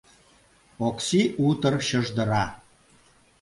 Окси утыр чыждыра.